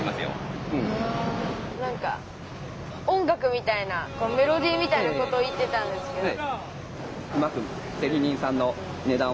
なんか音楽みたいなメロディーみたいなこと言ってたんですけど。